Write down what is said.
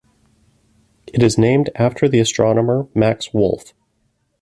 It is named after the astronomer Max Wolf.